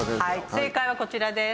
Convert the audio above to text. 正解はこちらです。